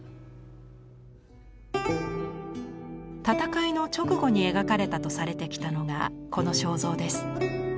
戦いの直後に描かれたとされてきたのがこの肖像です。